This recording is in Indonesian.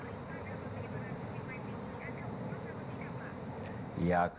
pemirsa yang sudah diperasakan covid sembilan belas ini anda puas atau tidak pak